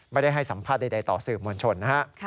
ไม่ได้ให้สัมภาษณ์ใดต่อสื่อมวลชนนะฮะ